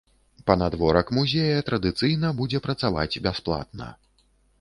Панадворак музея традыцыйна будзе працаваць бясплатна.